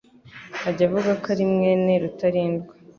ajya avuga ko ari mwene Rutalindwa,